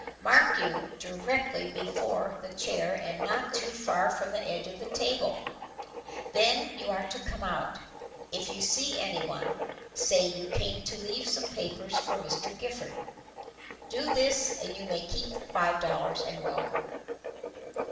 Mark you, directly before the chair and not too far from the edge of the table. Then you are to come out. If you see anyone, say you came to leave some papers for Mr. Gifford. Do this and you may keep the five dollars and welcome."